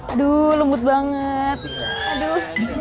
aduh lembut banget aduh